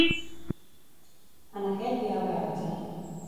En aquest hi ha el garatge.